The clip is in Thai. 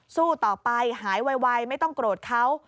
สู้ต่อไปหายไวไม่ต้องโกรธเขา